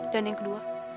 dan yang kedua